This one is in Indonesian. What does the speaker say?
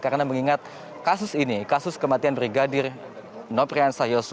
karena mengingat kasus ini kasus kematian brigadir noprian sayosu